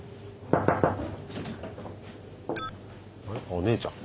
お姉ちゃん。